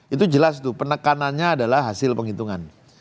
itu jelas tuh penekanannya adalah hasil penghitungan